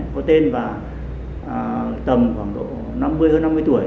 có tên và tầm khoảng độ năm mươi hơn năm mươi tuổi